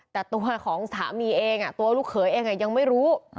แต่ตัวของสามีเองตัวลูกเขยเองยังไม่รู้